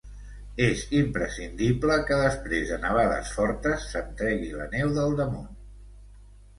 És imprescindible que després de nevades fortes se'm tregui la neu del damunt.